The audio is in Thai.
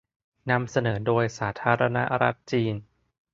นำเสนอโดยสาธารณรัฐจีน